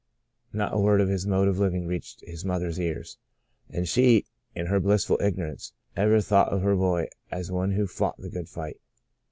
Not a word of his mode of living reached his mother's ears, and she, in her blissful ignorance, ever thought of her boy as one who fought the good fight.